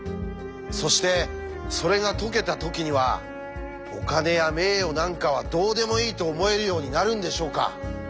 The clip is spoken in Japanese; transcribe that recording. そしてそれが解けた時にはお金や名誉なんかはどうでもいいと思えるようになるんでしょうか？